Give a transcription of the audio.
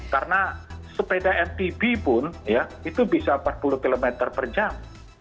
karena sepeda mtb pun itu bisa empat puluh kilometer per jam